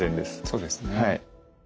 そうですね。